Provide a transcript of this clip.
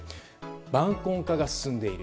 晩婚化が進んでいる。